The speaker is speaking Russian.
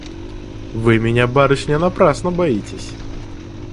Вы меня, барышня, напрасно боитесь.